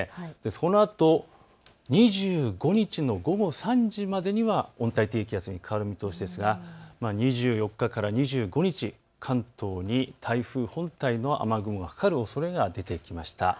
このあと２５日の午後３時までには温帯低気圧に変わる見通しですが２４日から２５日、関東に台風本体の雨雲がかかるおそれが出てきました。